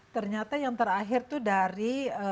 ternyata yang terakhir itu dari